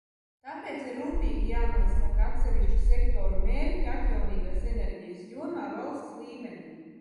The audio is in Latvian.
Tāpēc ir rūpīgi jānosaka atsevišķu sektoru mērķi atjaunīgās enerģijas jomā valsts līmenī.